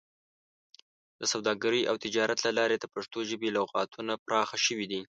د سوداګرۍ او تجارت له لارې د پښتو ژبې لغتونه پراخه شوي دي.